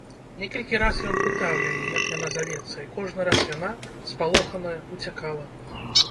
Некалькі раз ён пытаў яе, як яна завецца, і кожны раз яна, спалоханая, уцякала.